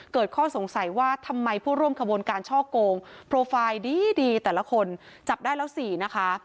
ข้อสงสัยว่าทำไมผู้ร่วมขบวนการช่อโกงโปรไฟล์ดีแต่ละคนจับได้แล้ว๔นะคะ